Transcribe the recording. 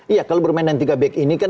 iya kalau bermain dengan tiga back ini kan